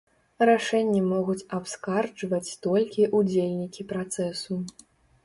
Рашэнне могуць абскарджваць толькі ўдзельнікі працэсу.